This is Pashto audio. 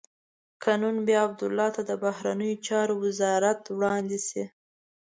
که نن بیا عبدالله ته د بهرنیو چارو وزارت وړاندې شي.